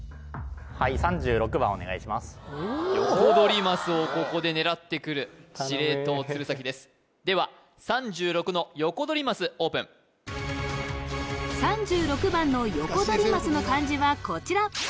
はいおおヨコドリマスをここで狙ってくる頼む司令塔鶴崎ですでは３６のヨコドリマスオープン３６番のヨコドリマスの漢字はこちら